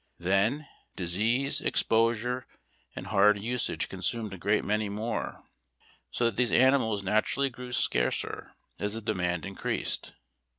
Then, disease, exposure, and hard usage consumed a great many more, so that these animals naturally grew scarcer as the demand increased.